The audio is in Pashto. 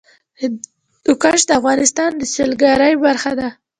هندوکش د افغانستان د سیلګرۍ برخه ده.